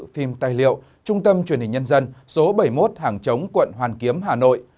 phim tài liệu trung tâm truyền hình nhân dân số bảy mươi một hàng chống quận hoàn kiếm hà nội